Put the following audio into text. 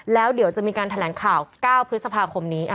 แล้วเดี๋ยวจะมีการแถลงข่าว๙พฤษภาคมนี้